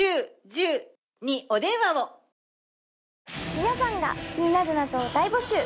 皆さんが気になる謎を大募集。